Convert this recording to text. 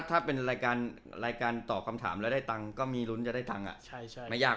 ถ้าเป็นรายการตอบคำถามแล้วได้ตังค์ก็มีลุ้นจะได้ตังค์